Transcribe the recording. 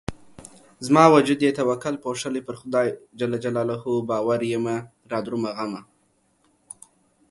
زما وجود يې توکل پوښلی پر خدای ج باور يمه رادرومه غمه